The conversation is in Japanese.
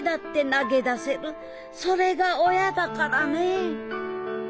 それが親だからね。